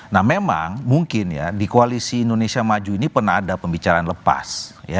nah memang mungkin ya di koalisi indonesia maju ini pernah ada pembicaraan lepas